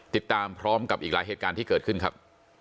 ติดตามพร้อมกับอีกหลายเหตุการณ์ที่เกิดขึ้นครับ